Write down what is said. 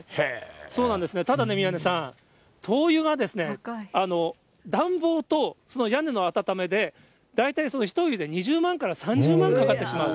そうなんです、ただね、宮根さん、灯油が暖房とその屋根の温めで、大体１人で２０万から３０万かかってしまうと。